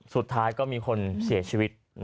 สุดท้ายก็มีคนเสียชีวิต